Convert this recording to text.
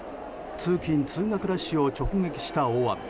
通勤・通学ラッシュを直撃した大雨。